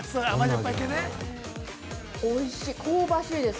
◆おいしい、香ばしいです。